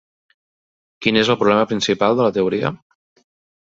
Quin és el problema principal de la teoria?